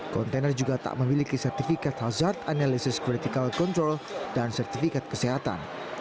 kontainer juga tak memiliki sertifikat hazard analysis critical control dan sertifikat kesehatan